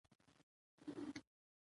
ځکه چې دا د زړه له درده راوتلي.